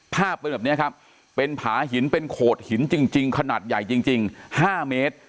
ภาพเป็นแบบนี้ครับเป็นผาหินเป็นโขดหินจริงขนาดใหญ่จริง๕เมตร